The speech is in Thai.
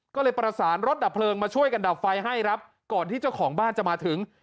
ก็เลยประสานรถดับเพลิงมาช่วยกันดับไฟให้ครับก่อนที่เจ้าของบ้านจะมาถึง